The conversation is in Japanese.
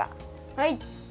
はい。